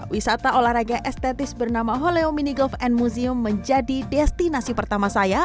dua ribu dua puluh dua wisata olahraga estetis bernama holeo mini golf and museum menjadi destinasi pertama saya